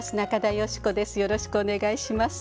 よろしくお願いします。